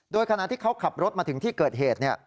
โดยขณะที่เขาขับรถมาถึงที่เกิดเหตุ